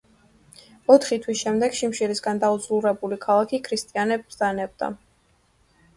ოთხი თვის შემდეგ, შიმშილისგან დაუძლურებული ქალაქი ქრისტიანებს დანებდა.